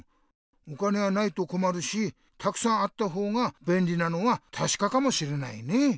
お金はないとこまるしたくさんあった方がべんりなのはたしかかもしれないね。